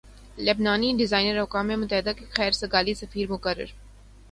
لبنانی designer اقوام متحدہ کے خیر سگالی سفیر مقرر